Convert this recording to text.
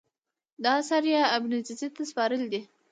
دا اثر یې ابن جزي ته سپارلی دی.